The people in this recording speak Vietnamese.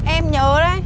em nhớ đấy